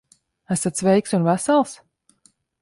Esat sveiks un vesels?